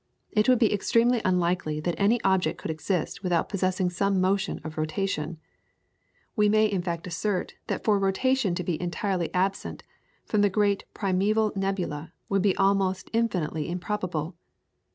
It would be extremely unlikely that any object could exist without possessing some motion of rotation; we may in fact assert that for rotation to be entirety absent from the great primeval nebula would be almost infinitely improbable.